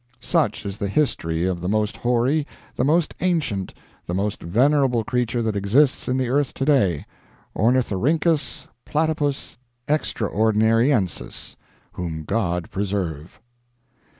"Such is the history of the most hoary, the most ancient, the most venerable creature that exists in the earth today Ornithorhynchus Platypus Extraordinariensis whom God preserve!"